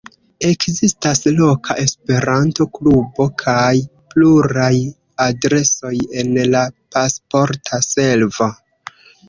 Ekzistas loka Esperanto-klubo kaj pluraj adresoj en la Pasporta Servo.